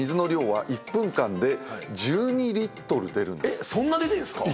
えっそんな出てんすか？